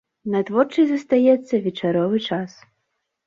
На творчасць застаецца вечаровы час.